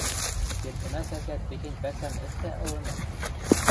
Келтӹмас ӓтят техень пӓсӓм ӹстӓ ылыныс.